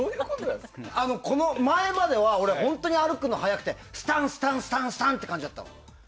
前までは俺本当に歩くのが早くてスタンスタンって感じだった。